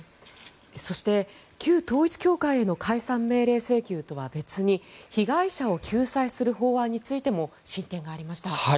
そして旧統一教会への解散命令請求とは別に被害者を救済する法案についても進展がありました。